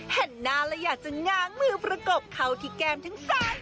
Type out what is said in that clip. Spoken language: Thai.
เห็นหน้าแล้วอยากจะง้างมือประกบเข้าที่แก้มทั้งซ้าย